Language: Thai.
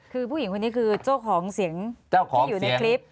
คือผู้หญิงคนนี้คือเจ้าของเสียงที่อยู่ในคลิป